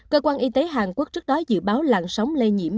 cơ quan y tế hàn quốc trước đó dự báo làn sóng lây nhiễm